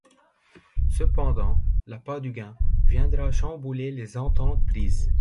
Cependant, l'appât du gain viendra chambouler les ententes prises.